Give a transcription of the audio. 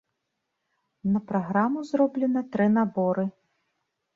На праграму зроблена тры наборы.